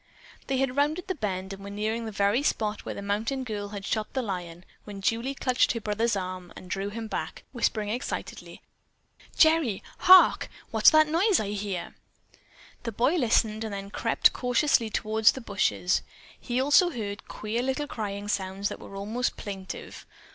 They had rounded the bend and were nearing the very spot where the mountain girl had shot the lion, when Julie clutched her brother's arm and drew him back, whispering excitedly: "Gerry! Hark! What's that noise I hear?" The boy listened and then crept cautiously toward the bushes. He also heard queer little crying sounds that were almost plaintive.